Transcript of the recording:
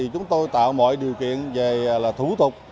chúng tôi tạo mọi điều kiện về thủ tục